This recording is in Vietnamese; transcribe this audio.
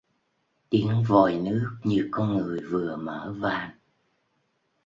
Tiếng vòi nước như có người vừa mở van